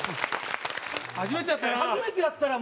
初めてやったな。